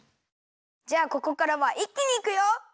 じゃあここからはいっきにいくよ！